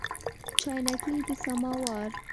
چاینکي د سماوار